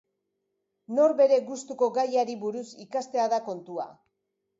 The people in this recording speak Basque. Norbere gustuko gaiari buruz ikastea da kontua.